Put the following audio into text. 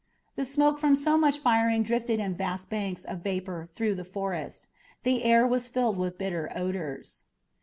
The smoke from so much firing drifted in vast banks of vapor through the forest. The air was filled with bitter odors.